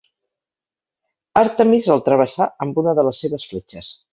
Àrtemis el travessà amb una de les seves fletxes.